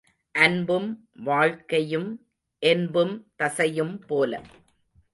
அன்பும் வாழ்க்கையும் என்பும் தசையும்போல.